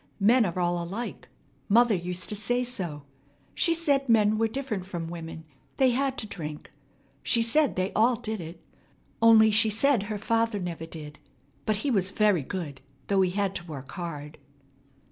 "Men are all alike. Mother used to say so. She said men were different from women. They had to drink. She said they all did it. Only she said her father never did; but he was very good, though he had to work hard."